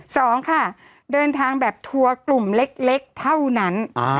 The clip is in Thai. สองค่ะเพราะเดินทางทั่วกลุ่มเล็กเท่านั้น